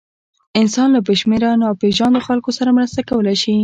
انسان له بېشمېره ناپېژاندو خلکو سره مرسته کولی شي.